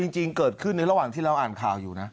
จริงเกิดขึ้นในระหว่างที่เราอ่านข่าวอยู่นะ